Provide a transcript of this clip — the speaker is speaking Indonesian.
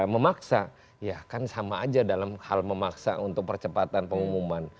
memaksa ya kan sama aja dalam hal memaksa untuk percepatan pengumuman